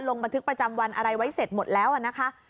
ลงบันทึกประจำวันอะไรไว้เสร็จหมดแล้วนะคะ